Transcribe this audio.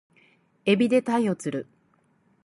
海老で鯛を釣る